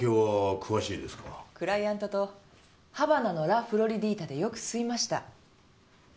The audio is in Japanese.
クライアントとハバナの「ラ・フロリディータ」でよく吸いました。